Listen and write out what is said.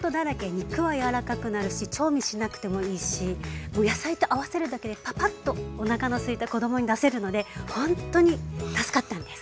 肉は柔らかくなるし調味しなくてもいいしもう野菜と合わせるだけでパパッとおなかのすいた子供に出せるのでほんとに助かったんです。